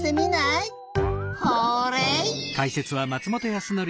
ホーレイ！